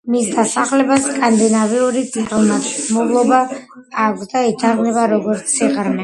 მის დასახელებას სკანდინავიური წარმომავლობა აქვს და ითარგმნება როგორც „სიღრმე“.